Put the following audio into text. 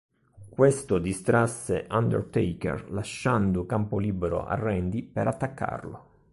Questo distrasse Undertaker lasciando campo libero a Randy per attaccarlo.